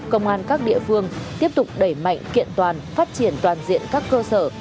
công an các địa phương tiếp tục đẩy mạnh kiện toàn phát triển toàn diện các cơ sở